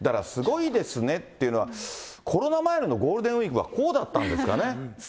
だからすごいですねっていうのは、コロナ前のゴールデンウィそうですね。